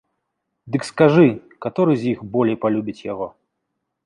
Дык скажы, каторы з іх болей палюбіць яго?